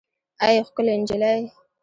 اې ښکلې نجلۍ